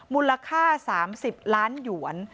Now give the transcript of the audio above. มูลค่า๓๐ล้านหยวน